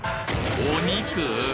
お肉。